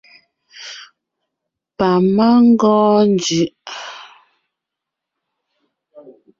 Pamangɔɔn njʉʼ.